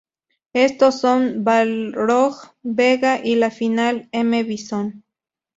Estos son Balrog, Vega y la final, M. Bison.